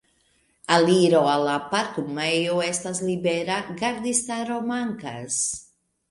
Aliro al la parkumejo estas libera, gardistaro mankas.